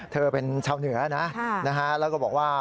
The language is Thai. เธอเป็นชาวเหนือนะแล้วก็บอกว่า